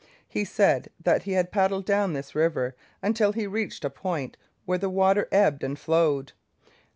He said that he had paddled down this river until he reached a point where the water ebbed and flowed.